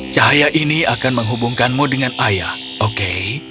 cahaya ini akan menghubungkanmu dengan ayah oke